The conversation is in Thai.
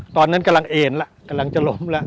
ตอนนั้นกำลังเอ่นละกำลังจะลมละ